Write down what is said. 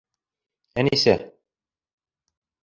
Әнисә: